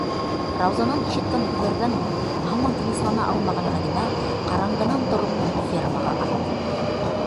Раузанан ишеткән һүҙҙәрҙән һуң һаман тыныслана алмаған Ғәлимә ҡараңғынан тороп фермаға атлыҡты.